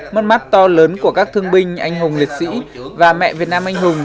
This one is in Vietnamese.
mắt mắt to lớn của các thương minh anh hùng liệt sĩ và mẹ việt nam anh hùng